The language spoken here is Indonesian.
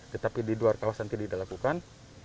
tetapi di luar kawasan tidak dilakukan